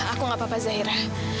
aku gak apa apa zahira